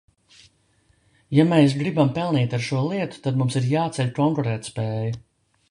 Ja mēs gribam pelnīt ar šo lietu, tad mums ir jāceļ konkurētspēja.